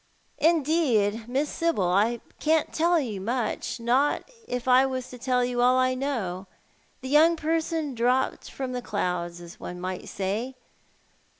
" Indeed, Miss Sibyl, I can't tell you much, not if I was to tell you all I know. The young person dropped from the clouds, as one may say.